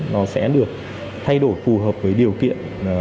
nó sẽ được thay đổi phù hợp với điều kiện